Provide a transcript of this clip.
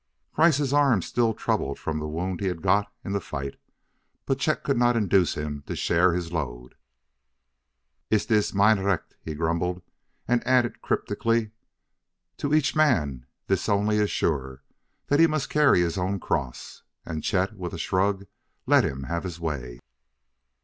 Kreiss' arm still troubled from the wound he had got in the fight, but Chet could not induce him to share his load. "Es ist mein recht," he grumbled, and added cryptically: "To each man this only is sure that he must carry his own cross." And Chet, with a shrug, let him have his way.